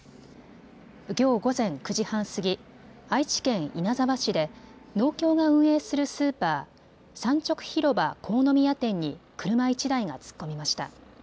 きょう午前９時半過ぎ、愛知県稲沢市で農協が運営するスーパー、産直広場国府宮店に車１台が突っ込みました。